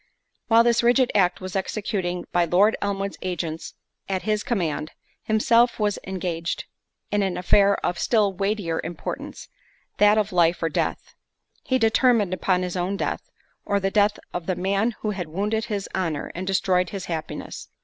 While this rigid act was executing by Lord Elmwood's agents at his command, himself was engaged in an affair of still weightier importance—that of life or death:—he determined upon his own death, or the death of the man who had wounded his honour and destroyed his happiness.